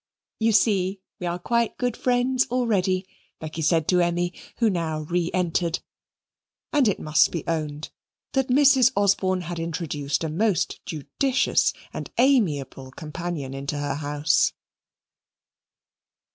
"You see we are quite good friends already," Becky said to Emmy, who now re entered; and it must be owned that Mrs. Osborne had introduced a most judicious and amiable companion into her house.